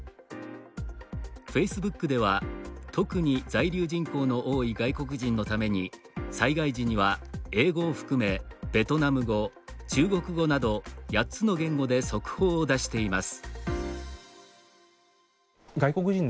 フェイスブックでは、特に在留人口の多い外国人のために災害時には英語を含めベトナム語、中国語など８つの言語で速報を出しています。